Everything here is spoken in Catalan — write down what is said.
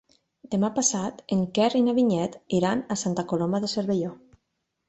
Demà passat en Quer i na Vinyet iran a Santa Coloma de Cervelló.